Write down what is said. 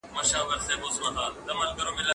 زه اجازه لرم چي کالي وچوم!؟